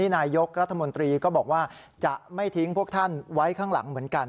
นายกรัฐมนตรีก็บอกว่าจะไม่ทิ้งพวกท่านไว้ข้างหลังเหมือนกัน